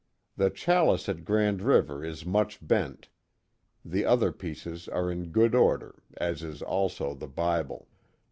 The chalice at Grand River is much bent, the other pieces are in good order, as is also the Bible.